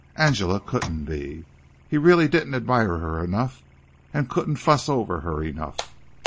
Angela couldn't be. He really didn't admire her enough, couldn't fuss over her enough.